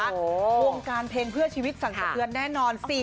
วงการเพลงเพื่อชีวิตสังเกิดแน่นอน